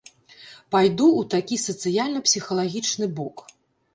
Пайду ў такі сацыяльна-псіхалагічны бок.